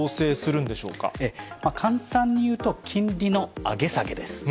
簡単にいうと、金利の上げ下げです。